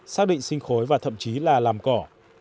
xác định sinh khối và thậm chí là làm cỏ